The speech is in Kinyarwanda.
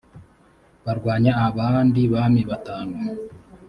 barwanya abandi bami batanu